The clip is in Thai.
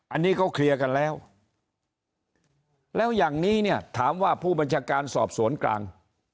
อันนี้เขาเคลียร์กันแล้วแล้วอย่างนี้เนี่ยถามว่าผู้บัญชาการสอบสวนกลาง